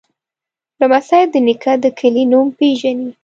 لمسی د نیکه د کلي نوم پیژني.